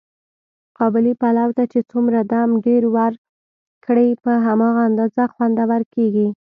قابلي پلو ته چې څومره دم ډېر ور کړې، په هماغه اندازه خوندور کېږي.